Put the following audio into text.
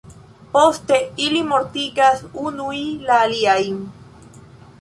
Poste ili mortigas unuj la aliajn.